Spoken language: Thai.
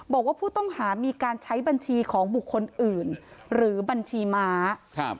บอกว่าผู้ต้องหามีการใช้บัญชีของบุคคลอื่นหรือบัญชีม้าครับ